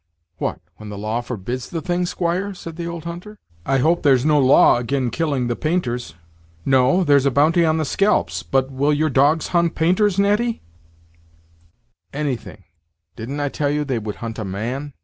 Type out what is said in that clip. "What! when the law forbids the thing, squire!" said the old hunter, "I hope there's no law agin' killing the painters." "No! there's a bounty on the scalps but will your dogs hunt painters, Natty?" "Anything; didn't I tell you they would hunt a man?